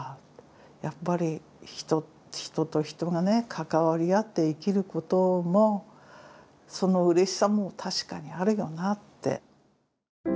やっぱり人と人がね関わり合って生きることもそのうれしさも確かにあるよなって。